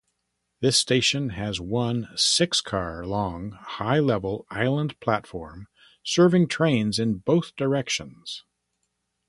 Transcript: This station has one six-car-long high-level island platform serving trains in both directions.